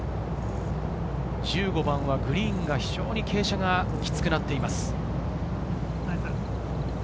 １５番はグリーンが非常に傾斜がきつくなっています。